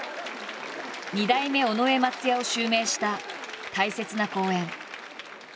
二代目尾上松也を襲名した大切な公演。